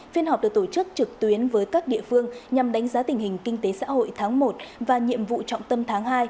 phiên họp được tổ chức trực tuyến với các địa phương nhằm đánh giá tình hình kinh tế xã hội tháng một và nhiệm vụ trọng tâm tháng hai